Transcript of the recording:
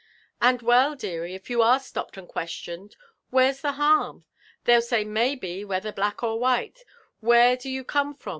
''And well, deary, if you are stopped and questioned, where'sthe harm? They'll say maybe, whether black or white, * Where do you come from?'